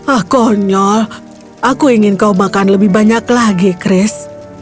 ah konyol aku ingin kau makan lebih banyak lagi chris